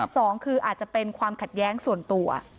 สองคืออาจจะเป็นความขัดแย้งส่วนตัว